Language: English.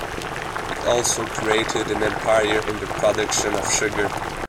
He also created an empire in the production of sugar.